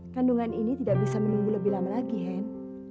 kandungan ini tidak bisa menunggu lebih lama lagi hen